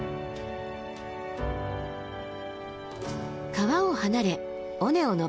川を離れ尾根を登っていきます。